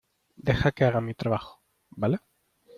deja que haga mi trabajo, ¿ vale?